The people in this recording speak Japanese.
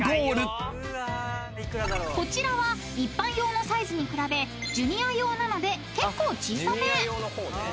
［こちらは一般用のサイズに比べジュニア用なので結構小さめ］